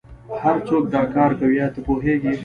هرڅوک دا کار کوي ایا ته پوهیږې